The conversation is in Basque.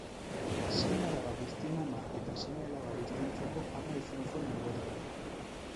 Seme-alaba guztien ama eta sema-alaba guztientzako ama izan zen bilbotarra.